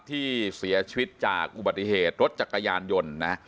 ที่เสียชีวิตจากอุบัติเหตุรถจักรยานยนต์นะ